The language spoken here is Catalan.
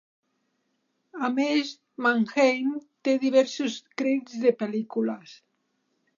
A més, Manheim té diversos crèdits de pel·lícules.